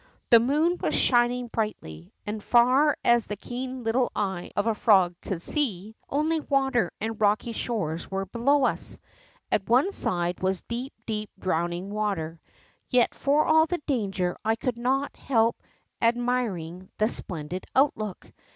The moon was shining brightly, and far as the keen little eye of a frog could see, 58 THE ROCK FROG only water and rocky shores were before us. At one side was deep, deep, drowning water. Yet for all the danger I could not help admir ing the splendid outlook.